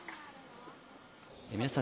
皆さん